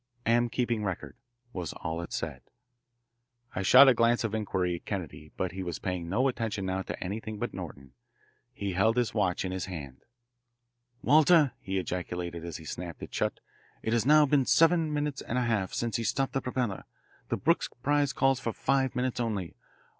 Am keeping record," was all it said. I shot a glance of inquiry at Kennedy, but he was paying no attention now to anything but Norton. He held his watch in his hand. "Walter," he ejaculated as he snapped it shut, "it has now been seven minutes and a half since he stopped his propeller. The Brooks Prize calls for five minutes only.